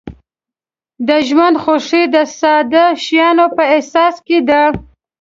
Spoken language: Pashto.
د ژوند خوښي د ساده شیانو په احساس کې ده.